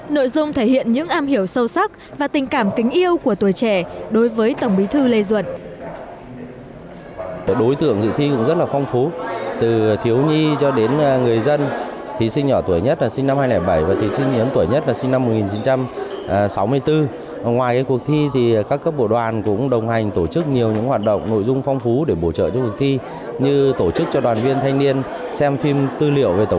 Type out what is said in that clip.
nội dung thể hiện những am hiểu sâu sắc và tình cảm kính yêu của tuổi trẻ đối với tổng bí thư lê duẩn